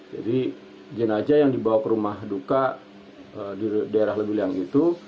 jadi jenazah yang dibawa ke rumah duka di daerah lewiliang itu